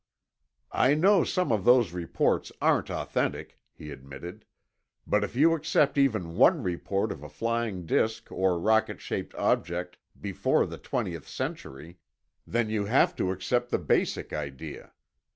"I know some of those reports aren't authentic," he admitted. "But if you accept even one report of a flying disk or rocket shaped object before the twentieth century, then you have to accept the basic idea.